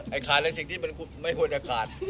ไอ้ขายอะไรสิ่งที่มันไม่ควรจะขาด